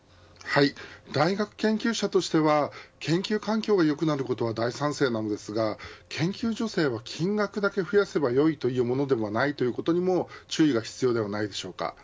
大学研究者としては研究環境が良くなることは大賛成ですが研究助成は金額だけ増やせばいいというものではないということにも注意が必要ではないでしょうか。